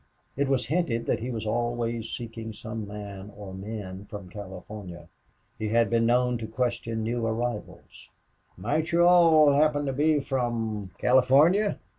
It was hinted that he was always seeking some man or men from California. He had been known to question new arrivals: "Might you all happen to be from California?